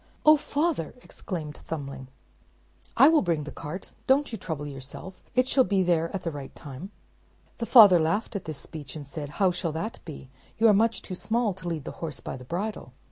"Oh! father," exclaimed Thumbling, "I will bring the cart; don't you trouble yourself; it shall be there at the right time." The father laughed at this speech, and said, "How shall that be? You are much too small to lead the horse by the bridle."